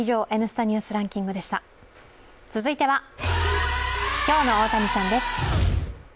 続いては、今日の大谷さんです。